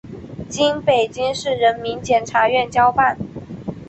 经北京市人民检察院交办